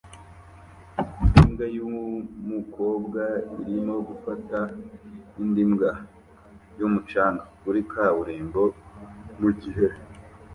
Imbwa yumukobwa irimo gufata indi mbwa yumucanga kuri kaburimbo mugihe